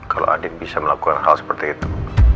kalau andin bisa melakukan hal seperti itu